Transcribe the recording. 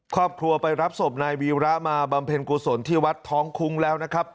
ครอบครัวไปรับศพนายวีระมาบำเพ็ญกุศลที่วัดท้องคุ้งแล้วนะครับ